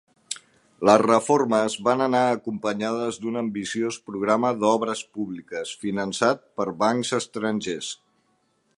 Les reformes van anar acompanyades d'un ambiciós programa d'obres públiques, finançat per bancs estrangers.